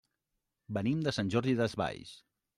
Venim de Sant Jordi Desvalls.